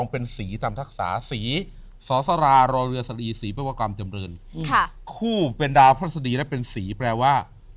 เป็นศรีแปลว่า